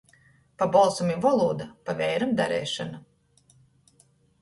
Pa bolsam i volūda, pa veiram dareišona.